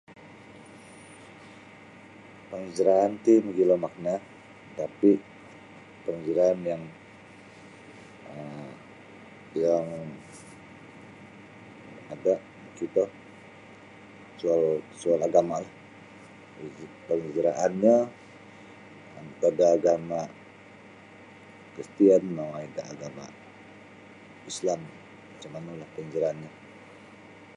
Penghijraan ti magilo makna tapi panggilan yang um yang ada [unintelligible] soal agama lah penghijraanyo antad da agama kristian mongoi da agama islam macam manu lah penghijraanyo.